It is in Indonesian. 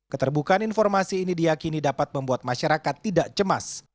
keterbukaan informasi ini diakini dapat membuat masyarakat tidak cemas